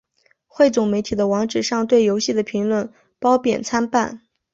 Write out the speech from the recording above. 汇总媒体的网址上对游戏的评论褒贬参半。